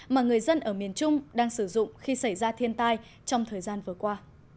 mà người dân ở miền trung đang sử dụng khi xảy ra thiên tai trong thời gian vừa qua